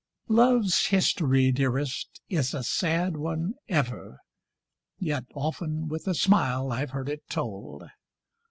Love's history, dearest, is a sad one ever, Yet often with a smile I've heard it told!